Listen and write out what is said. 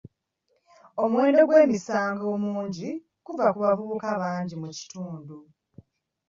Omuwendo gw'emisango omungi guva ku bavubuka abangi mu kitundu.